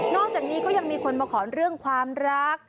อกจากนี้ก็ยังมีคนมาขอเรื่องความรัก